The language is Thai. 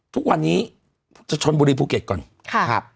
ทุกวันนี้จะชนบุรีภูเก็ตก่อน